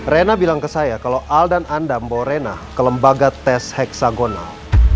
rina bilang ke saya kalau al dan anda membawa rina ke lembaga tes hexagonal